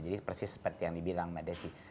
jadi persis seperti yang dibilang mada sih